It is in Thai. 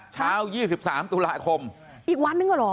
เช้า๒๓ตุลาคมอีกวันนึงเหรอ